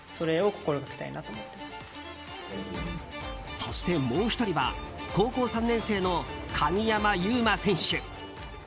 そして、もう１人は高校３年生の鍵山優真選手。